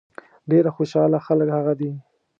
ډېر خوشاله خلک هغه دي.